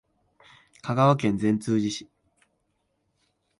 香川県善通寺市